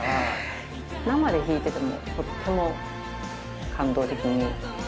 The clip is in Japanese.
生で弾いててもとても感動的に。